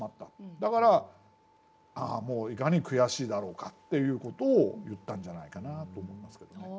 だからもういかに悔しいだろうかっていう事を言ったんじゃないかなあと思いますけどね。